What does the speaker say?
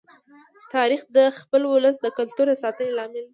تاریخ د خپل ولس د کلتور د ساتنې لامل دی.